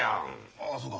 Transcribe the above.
ああそうか。